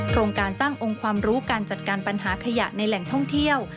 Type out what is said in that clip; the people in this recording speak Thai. โครงการสร้างองค์ความรู้การจัดการปัญหาขยะในแหล่งท่องเที่ยว